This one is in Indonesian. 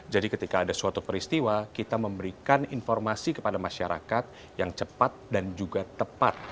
ketika ada suatu peristiwa kita memberikan informasi kepada masyarakat yang cepat dan juga tepat